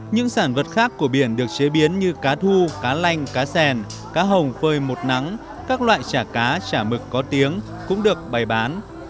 những sản vật khác của biển được chế biến như cá thu cá lanh cá sèn cá hồng phơi một nắng các loại chả cá chả mực có tiếng cũng được bày bán